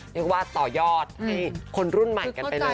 เรียกว่าต่อยอดให้คนรุ่นใหม่กันไปเลย